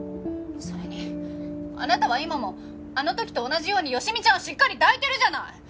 それにあなたは今もあの時と同じように好美ちゃんをしっかり抱いてるじゃない！